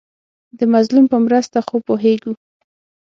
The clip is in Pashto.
د مظلوم په مرسته خو پوهېږو.